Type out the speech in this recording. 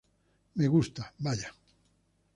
Me gusta, vaya.